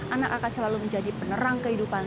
anak akan selalu menjadi penerang kehidupan